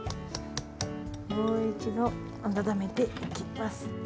もう一度温めていきます。